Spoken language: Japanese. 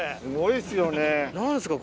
すごいですよね。